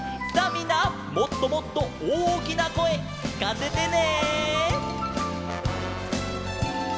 みんなもっともっとおおきなこえきかせてね！